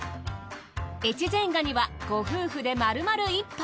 越前ガニはご夫婦で丸々１杯。